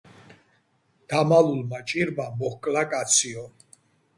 დამალულმა ჭირმა მოჰკლა კაციო